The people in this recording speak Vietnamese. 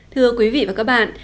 thưa quý vị và các bạn